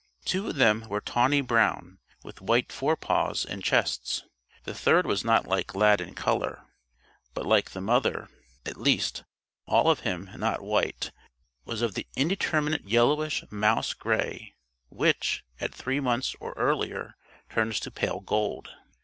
Two of them were tawny brown, with white forepaws and chests. The third was not like Lad in color, but like the mother at least, all of him not white was of the indeterminate yellowish mouse gray which, at three months or earlier, turns to pale gold.